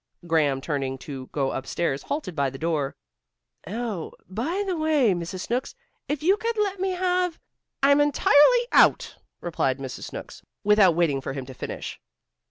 Graham turning to go up stairs, halted by the door. "Oh, by the way, Mrs. Snooks, if you could let me have " "I'm entirely out," replied Mrs. Snooks, without waiting for him to finish.